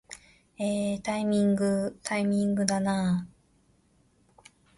えータイミングー、タイミングだなー